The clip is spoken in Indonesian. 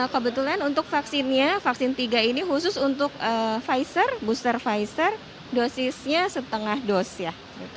kebetulan untuk vaksinnya vaksin tiga ini khusus untuk pfizer booster pfizer dosisnya setengah dosis ya